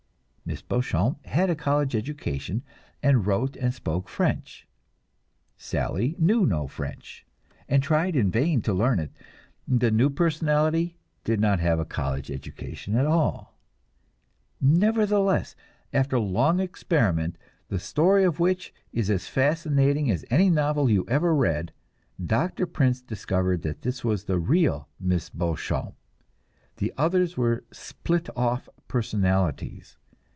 Miss Beauchamp had a college education, and wrote and spoke French; Sally knew no French, and tried in vain to learn it; the new personality did not have a college education at all. Nevertheless, after long experiment, the story of which is as fascinating as any novel you ever read, Dr. Prince discovered that this was the real Miss Beauchamp; the others were "split off" personalities.